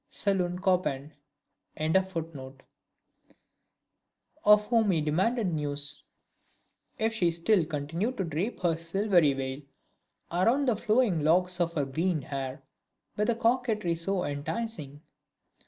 SALOON CHOPIN.] of whom he demanded news: "If she still continued to drape her silvery veil around the flowing locks of her green hair, with a coquetry so enticing?"